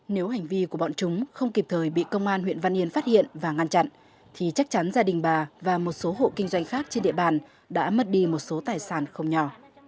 nếu hành vi của bọn chúng không kịp thời bị công an huyện văn yên phát hiện và ngăn chặn thì chắc chắn gia đình bà và một số hộ kinh doanh khác trên địa bàn đã mất đi một số tài sản không nhỏ